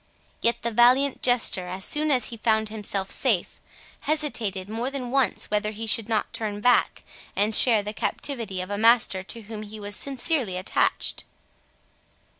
Yet the valiant Jester, as soon as he found himself safe, hesitated more than once whether he should not turn back and share the captivity of a master to whom he was sincerely attached.